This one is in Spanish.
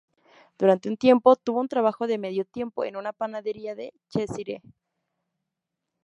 Durante un tiempo, tuvo un trabajo de medio tiempo en una panadería de Cheshire.